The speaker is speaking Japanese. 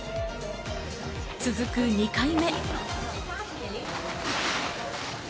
続く２回目。